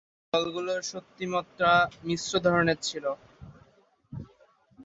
দলগুলোর শক্তিমত্তা মিশ্র ধরনের ছিল।